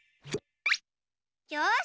よし！